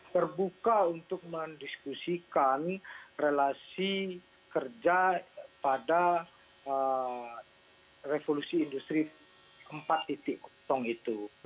terbuka untuk mendiskusikan relasi kerja pada revolusi industri empat tong itu